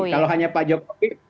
kalau hanya pak jokowi